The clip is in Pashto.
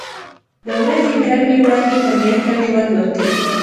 • د ورځې ګرمې وړانګې طبیعت ته ژوند ورکوي.